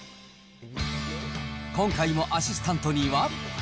今回もアシスタントには。